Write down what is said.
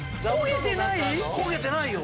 焦げてないよ。